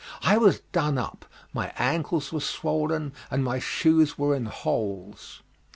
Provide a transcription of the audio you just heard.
I was done up, my ankles were swollen, and my shoes were in holes.